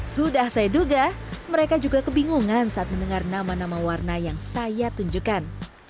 sudah saya duga mereka juga kebingungan saat mendengar nama nama warna yang saya tunjukkan